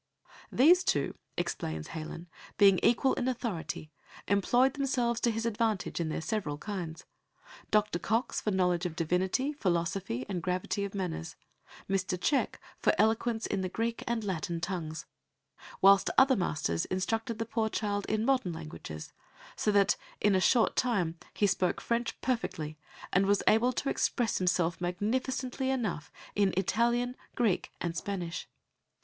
These two, explains Heylyn, being equal in authority, employed themselves to his advantage in their several kinds Dr. Cox for knowledge of divinity, philosophy, and gravity of manners, Mr. Cheke for eloquence in the Greek and Latin tongues; whilst other masters instructed the poor child in modern languages, so that in a short time he spoke French perfectly, and was able to express himself "magnificently enough" in Italian, Greek, and Spanish.